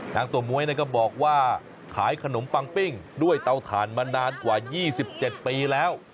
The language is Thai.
ตัวม้วยก็บอกว่าขายขนมปังปิ้งด้วยเตาถ่านมานานกว่า๒๗ปีแล้ว